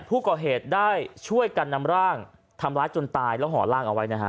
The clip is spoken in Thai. ผู้ก่อเหตุได้ช่วยกันนำร่างทำร้ายจนตายแล้วห่อร่างเอาไว้นะฮะ